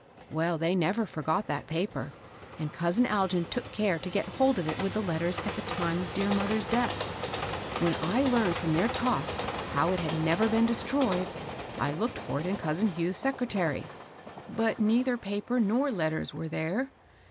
Well, they never forgot that paper ; and cous in Algin took care to get hold of it with the letters, at the time of dear mother's death. When I learned from their talk, how it had never been de stroyed, I looked for it in cousin Hugh's secretary. But neither paper nor letters ^e there.